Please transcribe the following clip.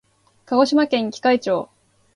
鹿児島県喜界町